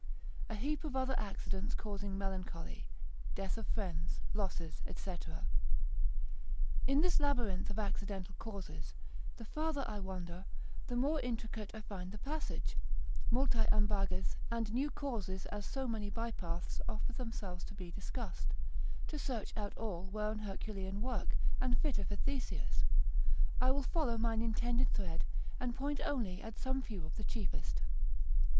—A heap of other Accidents causing Melancholy, Death of Friends, Losses, &c. In this labyrinth of accidental causes, the farther I wander, the more intricate I find the passage, multae ambages, and new causes as so many by paths offer themselves to be discussed: to search out all, were an Herculean work, and fitter for Theseus: I will follow mine intended thread; and point only at some few of the chiefest.